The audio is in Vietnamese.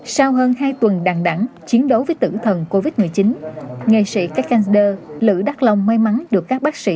sau hơn hai tuần đẳng đẳng chiến đấu với tử thần covid một mươi chín nghệ sĩ cát cà đơ lữ đắc long may mắn được các bác sĩ